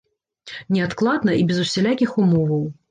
Неадкладна і без усялякіх умоваў.